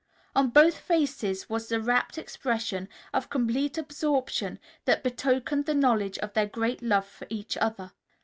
On both faces was the rapt expression of complete absorption that betokened the knowledge of their great love for each other.